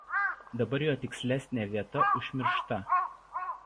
Dabar jo tikslesnė vieta užmiršta.